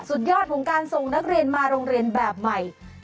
สุดยอดของการส่งนักเรียนมาโรงเรียนแบบใหม่